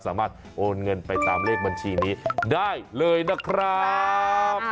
โอนเงินไปตามเลขบัญชีนี้ได้เลยนะครับ